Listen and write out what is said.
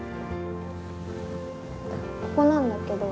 ここなんだけど。